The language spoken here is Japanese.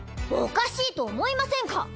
おかしいと思いませんか？